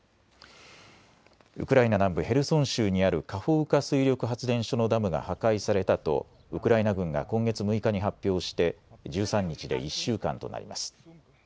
ウクライナ南部ヘルソン州にあるカホウカ水力発電所のダムが破壊されたと、ウクライナ軍が今月６日に発表して１３日で１週間となります。